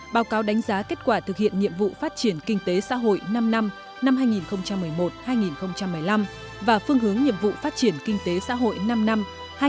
báo cáo đánh giá kết quả thực hiện nhiệm vụ phát triển kinh tế xã hội năm năm